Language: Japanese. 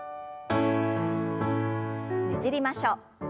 ねじりましょう。